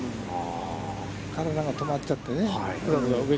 体がたまっちゃってね。